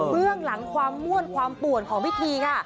เรื่องหลังความม่วนความป่วนของพิธีค่ะ